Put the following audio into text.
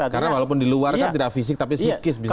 karena walaupun di luar kan tidak fisik tapi sikis juga